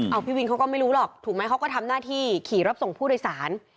เอาพี่วินเขาก็ไม่รู้หรอกถูกไหมเขาก็ทำหน้าที่ขี่รับส่งผู้โดยสาร